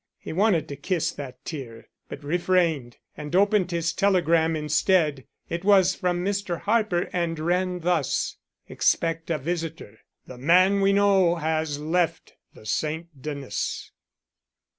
He wanted to kiss that tear, but refrained and opened his telegram instead. It was from Mr. Harper, and ran thus: Expect a visitor. The man we know has left the St. Denis.